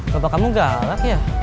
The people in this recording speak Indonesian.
bapak kamu galak ya